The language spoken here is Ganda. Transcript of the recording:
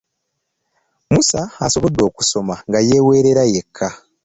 Musa asobodde okusoma nga yeeweerera yekka.